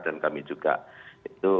dan kami juga itu